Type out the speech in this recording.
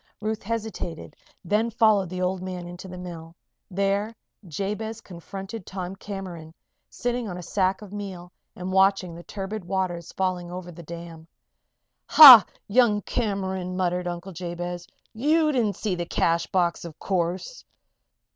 Ruth hesitated, then followed the old man into the mill. There Jabez confronted Tom Cameron, sitting on a sack of meal and watching the turbid waters falling over the dam. "Ha! Young Cameron," muttered Uncle Jabez. "You didn't see the cash box, of course?"